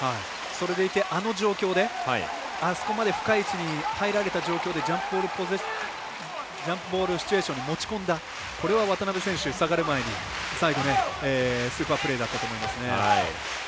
それでいてあの状況であそこまで深い位置に入られた状況でジャンプボールシチュエーション持ち込んだこれは渡邉選手、下がる前に最後、スーパープレーだったと思います。